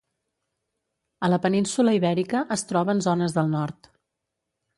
A la península Ibèrica es troba en zones del nord.